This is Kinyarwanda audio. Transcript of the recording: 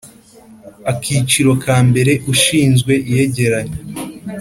Akiciro ka mbere Ushinzwe iyegeranya